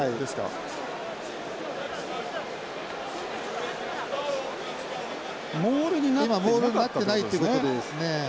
今モールになってないってことですね。